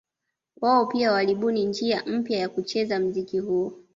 Wao pia walibuni njia mpya ya kucheza mziki huo